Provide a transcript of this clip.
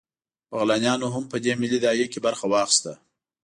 بغلانیانو هم په دې ملي داعیه کې برخه واخیسته